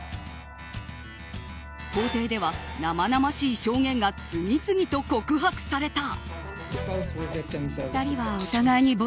法廷では生々しい証言が次々と告白された。